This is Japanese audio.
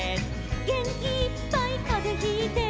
「げんきいっぱいかぜひいて」